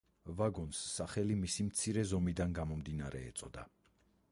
ვაგონს სახელი მისი მცირე ზომიდან გამომდინარე ეწოდა.